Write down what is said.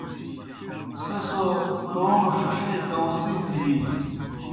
سہ سو توموْ ݜِݜے کاؤݩڅی تھیَیگیْ۔